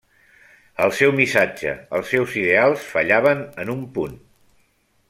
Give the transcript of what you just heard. El seu missatge, els seus ideals, fallaven en un punt.